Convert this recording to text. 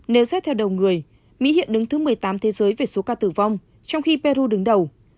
nếu xét theo đầu người mỹ hiện đứng thứ một mươi tám thế giới về số ca tử vong trong khi peru đứng đầu